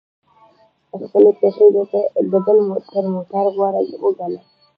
خپلي پښې د بل تر موټر غوره وګڼه!